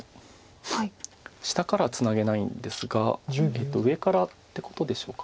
下からはツナげないんですが上からってことでしょうか。